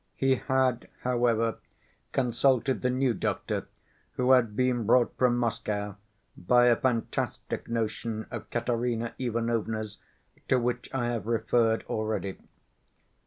He had, however, consulted the new doctor, who had been brought from Moscow by a fantastic notion of Katerina Ivanovna's to which I have referred already.